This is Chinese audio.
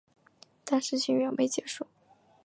但事情远未结束。